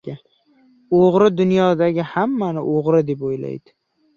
• O‘g‘ri dunyodagi hammani o‘g‘ri deb o‘ylaydi.